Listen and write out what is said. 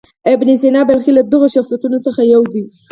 ابن سینا بلخي له دغو شخصیتونو څخه یو دی.